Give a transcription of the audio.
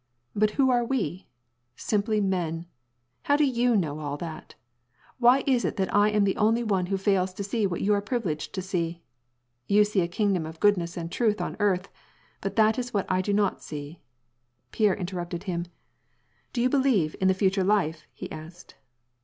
But who are ' we '? Simply men ! How do you know all that ? Why is it that I am the only one that fails to see what you are privileged to see ? You see a kingdom of goodness and truth on earth, but that is what I do not see." Pierre interrupted him, — "Do you believe in the future life," he asked.